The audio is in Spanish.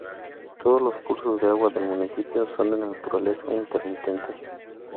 Todos los cursos de água del municipio son de naturaleza intermitente.